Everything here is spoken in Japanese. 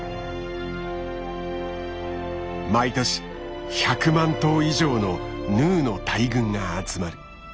毎年１００万頭以上のヌーの大群が集まる。